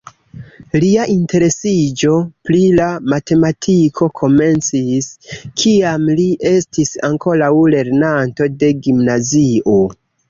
Lia interesiĝo pri la matematiko komencis kiam li estis ankoraŭ lernanto de gimnazio.